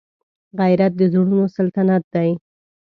غیرت د زړونو سلطنت دی